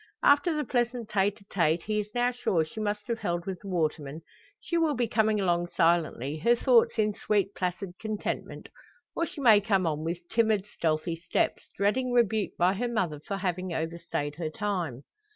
After the pleasant tete a tete, he is now sure she must have held with the waterman, she will be coming along silently, her thoughts in sweet, placid contentment; or she may come on with timid, stealthy steps, dreading rebuke by her mother for having overstayed her time.